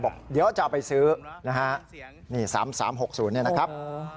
บอกเดี๋ยวจะไปซื้อนี่๓๓๖๐นี่นะครับ